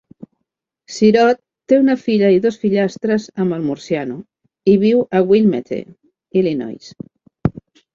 Sirott té una filla i dos fillastres amb el Murciano i viu a Wilmette, Illinois.